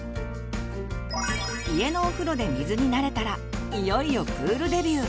家のお風呂で水に慣れたらいよいよプールデビュー。